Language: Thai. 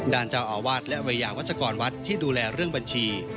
ด้านเจ้าอาวาสและวัยยาวัชกรวัดที่ดูแลเรื่องบัญชี